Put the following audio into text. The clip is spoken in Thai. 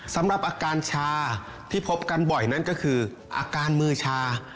สำหรับอาการชาที่พบกันบ่อยนั่นก็คืออาการมือชา